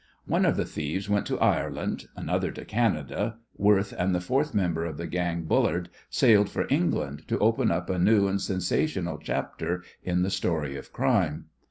One of the thieves went to Ireland, another to Canada, Worth and the fourth member of the gang, Bullard, sailed for England to open up a new and sensational chapter in the story of crime.